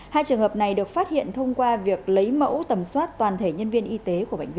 hai trường hợp này được phát hiện thông qua việc lấy mẫu tầm soát toàn thể nhân viên y tế